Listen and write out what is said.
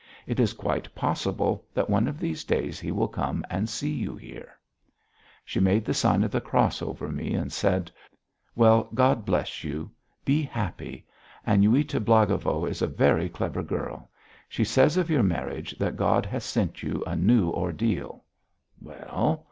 It is quite possible that one of these days he will come and see you here." She made the sign of the cross over me and said: "Well, God bless you. Be happy. Aniuta Blagovo is a very clever girl. She says of your marriage that God has sent you a new ordeal. Well?